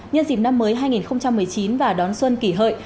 nhân dịp năm mới hai nghìn một mươi chín và đón xuân kỷ hợi